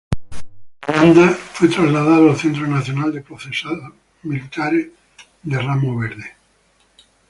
Marulanda fue trasladado al Centro Nacional de Procesados Militares de Ramo Verde.